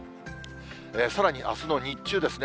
さらにあすの日中ですね。